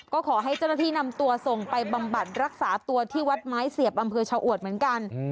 ก็ขอให้เจ้าหน้าที่นำตัวส่งไปบำบัดรักษาตัวที่วัดไม้เสียบอำเภอชะอวดเหมือนกัน